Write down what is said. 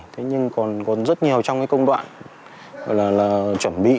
thế nhưng còn rất nhiều trong cái công đoạn gọi là chuẩn bị